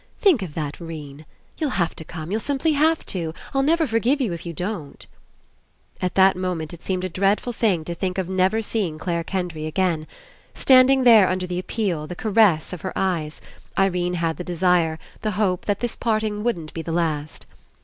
Think of that, 46 ENCOUNTER 'Rene! You'll have to come. You'll simply have to ! I'll never forgive you if you don't." At that moment It seemed a dreadful thing to think of never seeing Clare Kendry again. Standing there under the appeal, the caress, of her eyes, Irene had the desire, the hope, that this parting wouldn't be the last.